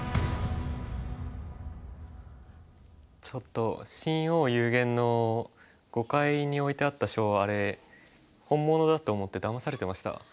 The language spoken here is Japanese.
ちょっと「深奥幽玄」の５階に置いてあった書あれ本物だと思ってだまされてました。